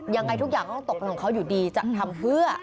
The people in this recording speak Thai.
ยังไงทุกอย่างก็ต้องตกเป็นของเขาอยู่ดีจะทำเพื่อ